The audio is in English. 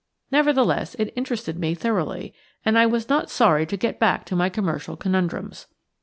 Nevertheless, it interested me thoroughly, and I was not sorry to get back to my commercial conundrums.